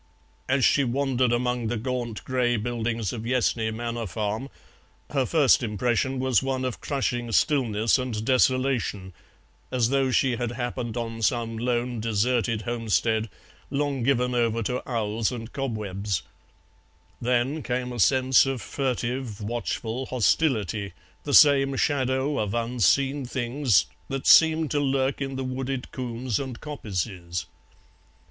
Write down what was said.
As she wandered among the gaunt grey buildings of Yessney manor farm her first impression was one of crushing stillness and desolation, as though she had happened on some lone deserted homestead long given over to owls and cobwebs; then came a sense of furtive watchful hostility, the same shadow of unseen things that seemed to lurk in the wooded combes and coppices.